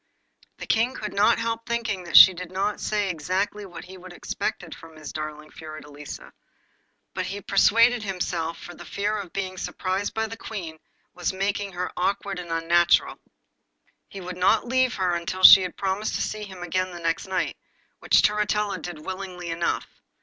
The King could not help thinking that she did not say exactly what he would have expected from his darling Fiordelisa, but he persuaded himself that the fear of being surprised by the Queen was making her awkward and unnatural. He would not leave her until she had promised to see him again the next night, which Turritella did willingly enough.